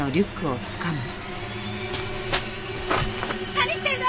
何してるの！？